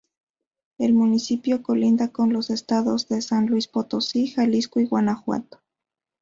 El municipio colinda con los estados de San Luis Potosí, Jalisco y Guanajuato.